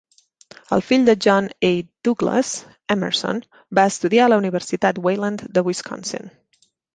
El fill de John A. Douglas, Emerson va estudiar a la universitat Wayland de Wisconsin.